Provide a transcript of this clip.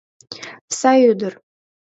Сай ӱдыр.